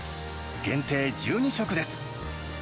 限定１２食です。